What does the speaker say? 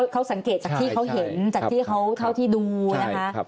เขาสังเกตจากที่เขาเห็นจากที่เขาเท่าที่ดูนะคะ